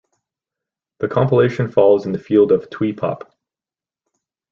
The compilation falls in the field of twee pop.